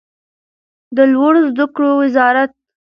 د لوړو زده کړو وزارت